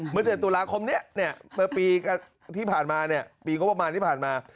เมื่อเดือนตุลาคมนี้ปีที่ผ่านมาปีก็ประมาณที่ผ่านมา